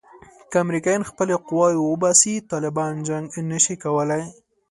که امریکایان خپلې قواوې وباسي طالبان جنګ نه شي کولای.